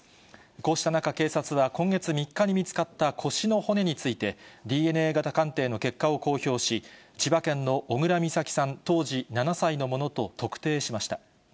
こうした中、警察は今月３日に見つかった腰の骨について、ＤＮＡ型鑑定の結果を公表し、千葉県の小倉美咲さん、当時７歳のものと特定しました。